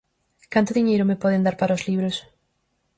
Canto diñeiro me poden dar para os libros?